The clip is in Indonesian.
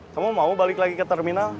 kamu mau balik lagi ke terminal